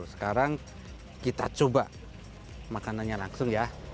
sekarang kita coba makanannya langsung ya